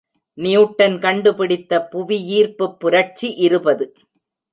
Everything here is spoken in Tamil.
நியூட்டன் கண்டு பிடித்த புவியீர்ப்புப் புரட்சி இருபது.